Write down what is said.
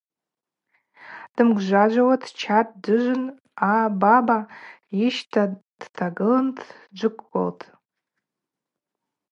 Дымгвжважвауа дчатӏ-дыжвын, абаба йыщта дтагылын дджвыквылтӏ.